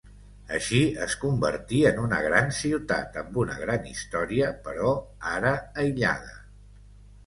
Així, es convertí en una gran ciutat amb una gran història però ara aïllada.